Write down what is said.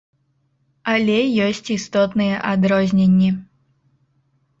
Але ёсць істотныя адрозненні.